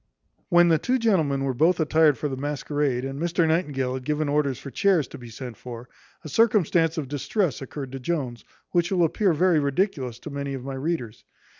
When the two gentlemen were both attired for the masquerade, and Mr Nightingale had given orders for chairs to be sent for, a circumstance of distress occurred to Jones, which will appear very ridiculous to many of my readers.